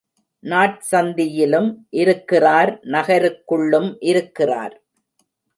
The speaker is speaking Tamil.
நாற்சந்தியிலும் இருக்கிறார் நகருக்குள்ளும் இருக்கிறார்.